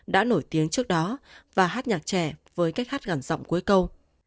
đã nổi tiếng trước đó và hát nhạc trẻ với cách hát gần giọng cuối câu